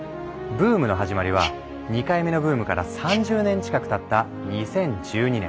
ブームの始まりは２回目のブームから３０年近くたった２０１２年。